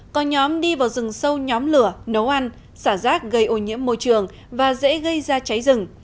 có nhóm đi vào rừng sâu nhóm lửa nấu ăn xả rác gây ô nhiễm môi trường và dễ gây ra cháy rừng